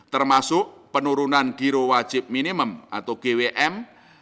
termasuk penurunan giro wajib minimum atau gwm